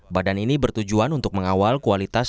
badan ini bertujuan untuk mengawal kualitas